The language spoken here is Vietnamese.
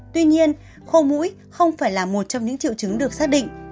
tuy nhiên khô mũi không phải là một trong những triệu chứng được xác định